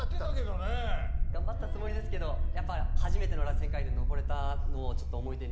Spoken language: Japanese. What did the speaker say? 頑張ったつもりですけど初めての螺旋階段に上れたのをちょっと思い出に。